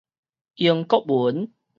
英國文